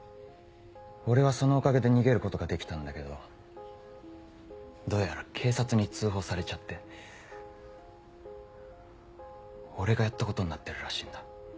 俺はそのおかげで逃げることができたんだけどどうやら警察に通報されちゃって俺がやったことになってるらしいんだ。